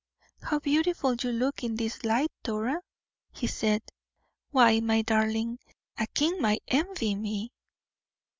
"How beautiful you look in this light, Dora," he said. "Why, my darling, a king might envy me."